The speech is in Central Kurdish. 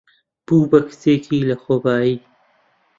بوو بە کچێکی لەخۆبایی.